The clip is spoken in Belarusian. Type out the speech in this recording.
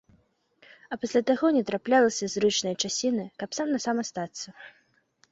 А пасля таго не траплялася зручнае часіны, каб сам-насам астацца.